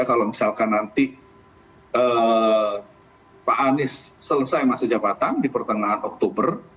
kalau misalkan nanti pak anies selesai masa jabatan di pertengahan oktober